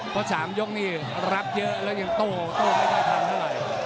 เพราะ๓ยกนี่รับเยอะแล้วยังโต้ไม่ค่อยทันเท่าไหร่